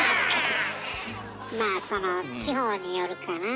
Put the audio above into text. まあその地方によるかなあ。